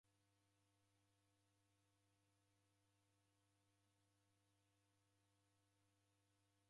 Kilo imweri ya nyama ni shilingi elfu imweri ra Kenya.